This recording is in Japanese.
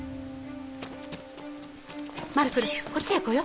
マルクルこっちへ来よう。